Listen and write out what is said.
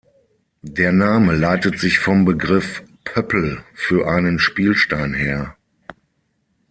Der Name leitet sich vom Begriff "Pöppel" für einen Spielstein her.